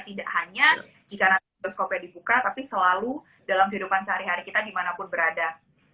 tidak hanya jika nanti bioskopnya dibuka tapi selalu dalam kehidupan sehari hari kita dimanapun berada